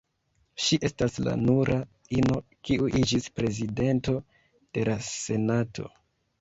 Ŝi estas la nura ino kiu iĝis Prezidento de la Senato.